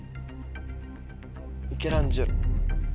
ミケランジェロ。